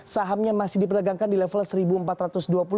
sahamnya masih diperdagangkan di level rp satu empat ratus dua puluh